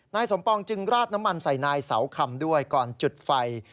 นายสมปองจึงราดน้ำมันใส่นายเสาคำด้วยก่อนจุดไฟ